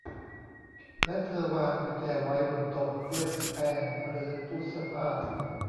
และเธอวางกุญแจไว้บนโต๊ะเครื่องแป้งหรือตู้เสื้อผ้า